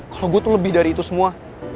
kalau gue tuh lebih dari itu semua